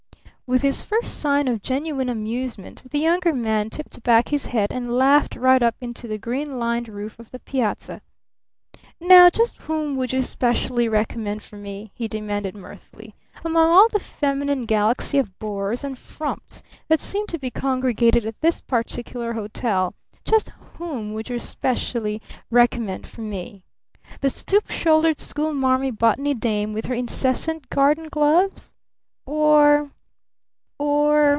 With his first sign of genuine amusement the Younger Man tipped back his head and laughed right up into the green lined roof of the piazza. "Now just whom would you specially recommend for me?" he demanded mirthfully. "Among all the feminine galaxy of bores and frumps that seem to be congregated at this particular hotel just whom would you specially recommend for me? The stoop shouldered, school marmy Botany dame with her incessant garden gloves? Or? Or